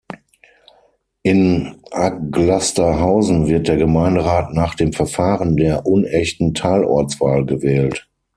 In Aglasterhausen wird der Gemeinderat nach dem Verfahren der unechten Teilortswahl gewählt.